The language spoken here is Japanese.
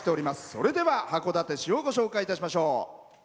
それでは函館市をご紹介いたしましょう。